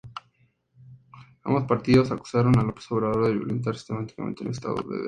Ambos partidos acusaron a López Obrador de violentar sistemáticamente el estado de derecho.